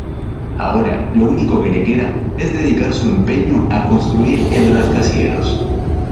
Ahora lo único que le queda es dedicar su empeño a construir el rascacielos.